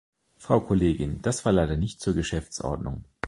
Frau Kollegin, das war leider nicht zur Geschäftsordnung.